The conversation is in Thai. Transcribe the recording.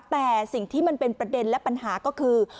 แต่สิ่งที่มันเป็นประเด็นและปัญหาก็คือ